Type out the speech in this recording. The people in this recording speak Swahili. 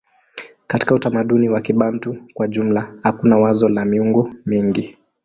Katika utamaduni wa Kibantu kwa jumla hakuna wazo la miungu mingi.